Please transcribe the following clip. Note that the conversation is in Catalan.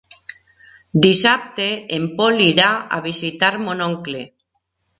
Dissabte en Pol irà a visitar mon oncle.